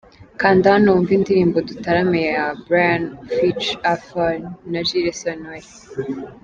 Kanda hano wumve indirimbo dutarame ya Brian ft Alpfa na Jules Sentore.